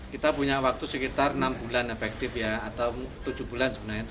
kita punya waktu sekitar enam bulan efektif ya atau tujuh bulan sebenarnya